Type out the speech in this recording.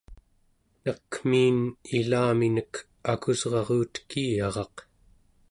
nakmiin ilaminek akusrarutekiyaraq